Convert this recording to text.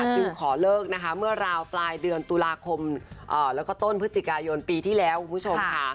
คิวขอเลิกนะคะเมื่อราวปลายเดือนตุลาคมแล้วก็ต้นพฤศจิกายนปีที่แล้วคุณผู้ชมค่ะ